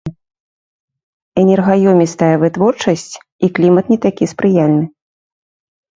Энергаёмістая вытворчасць і клімат не такі спрыяльны.